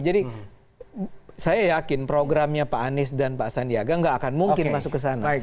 jadi saya yakin programnya pak anies dan pak sandiaga nggak akan mungkin masuk ke sana